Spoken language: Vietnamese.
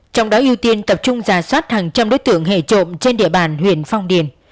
trong đó ưu tiên tập trung giả soát hàng trăm đối tượng hệ trộm trên địa bàn huyện phong điền